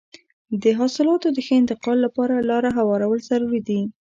د حاصلاتو د ښه انتقال لپاره لاره هوارول ضروري دي.